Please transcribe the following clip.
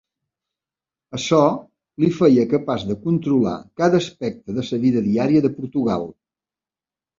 Això li feia capaç de controlar cada aspecte de la vida diària de Portugal.